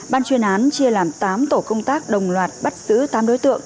ban chuyên án chia làm tám tổ công tác đồng loạt bắt giữ tám đối tượng